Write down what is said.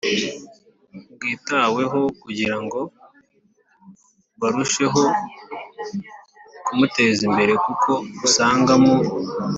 bwitaweho, kugira ngo barusheho kumuteza imbere kuko usanga mu